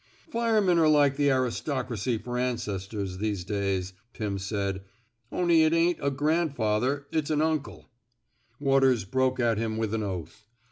Firemen 're like the aristocracy fer ancestors these days," Pim said. On'y it ain't a grandfather, it's an uncle —" Waters broke at him with an oath.